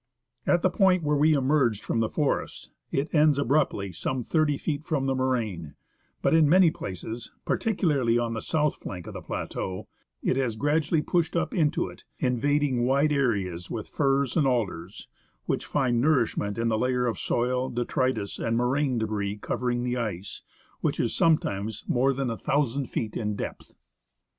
At the point where we emerged from the forest, it ends abruptly some thirty feet from the moraine ; but in many places — particularly on the south flank of the plateau — it has gradually pushed up into it, invading wide areas with firs and alders, which find nourishment in the layer of soil, detritus and rrioraine ddbris covering the ice, which is sometimes more than a thousand feet in depth.